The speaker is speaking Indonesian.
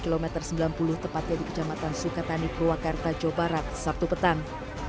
kilometer sembilan puluh tepatnya di kecamatan sukatani purwakarta jawa barat sabtu petang